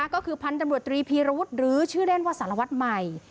ก็คือพันธุ์ตำรวจตรีพีรวุฒิหรือชื่อเล่นว่าสารวัตรใหม่